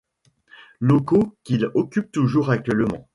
Locaux qu’il occupe toujours actuellement.